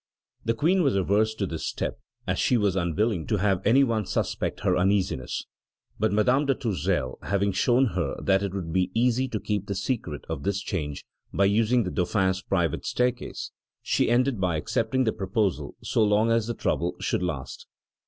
The Queen was averse to this step, as she was unwilling to have any one suspect her uneasiness. But Madame de Tourzel having shown her that it would be easy to keep the secret of this change by using the Dauphin's private staircase, she ended by accepting the proposal so long as the trouble should last.